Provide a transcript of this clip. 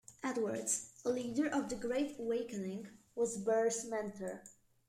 Edwards, a leader of the Great Awakening, was Burr's mentor.